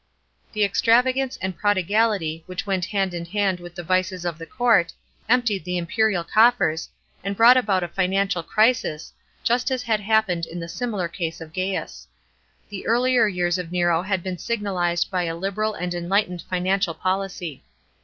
§ 12. The extravagance and prodigality, which went hand in hand with the vices of the court, empiied the imperial coffers, and brought about a financial crisis, just as had happened in the similar case of Gaius. The earlier years of Nero had been signalised by a liberal and enlightened financial policy.